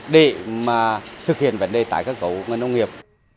để mà thực hiện vấn đề tải các cầu nông nghiệp